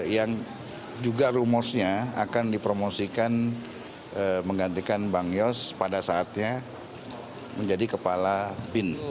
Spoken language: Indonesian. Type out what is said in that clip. yang juga rumusnya akan dipromosikan menggantikan bang yos pada saatnya menjadi kepala bin